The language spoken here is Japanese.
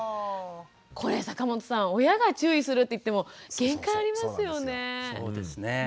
これ坂本さん親が注意するっていっても限界ありますよね。